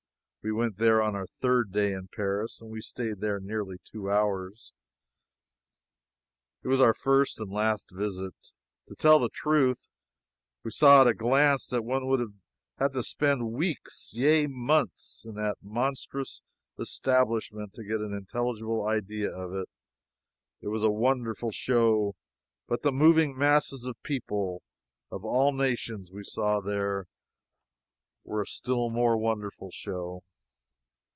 We went there on our third day in Paris and we stayed there nearly two hours. That was our first and last visit. To tell the truth, we saw at a glance that one would have to spend weeks yea, even months in that monstrous establishment to get an intelligible idea of it. It was a wonderful show, but the moving masses of people of all nations we saw there were a still more wonderful show.